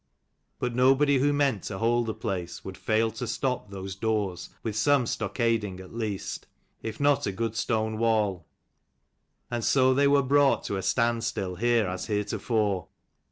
But nobody who meant to hold the place would fail to stop those doors with some stockading at least, if not a good stone wall : and so they were brought to a standstill here as heretofore.